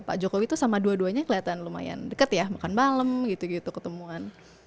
pak jokowi itu sama dua duanya kelihatan lumayan deket ya makan malam gitu gitu ketemuan